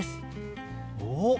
おっ！